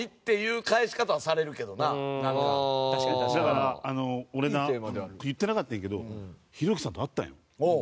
だから俺な言ってなかったんやけどひろゆきさんと会ったんよ